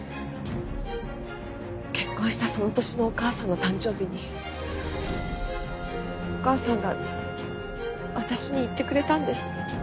結婚したその年のお義母さんの誕生日にお義母さんが私に言ってくれたんです。